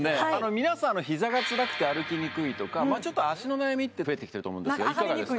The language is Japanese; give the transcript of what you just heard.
皆さんの膝がつらくて歩きにくいとかちょっと脚の悩みって増えてきてると思うんですがいかがですか？